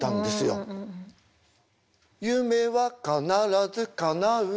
「夢は必ずかなう